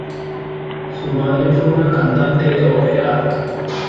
Su madre fue una cantante de ópera.